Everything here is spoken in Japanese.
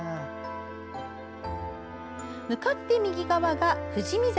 向かって右側が、富士見坂。